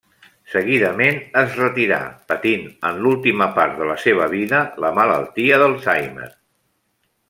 Seguidament es retirà, patint en l'última part de la seva vida la malaltia d'Alzheimer.